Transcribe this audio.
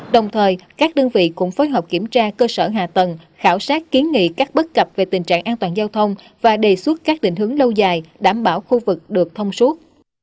đồng thời các đơn vị cũng phối hợp kiểm tra cơ sở hạ tầng khảo sát kiến nghị các bất cập về tình trạng an toàn giao thông và đề xuất các định hướng lâu dài đảm bảo khu vực được thông suốt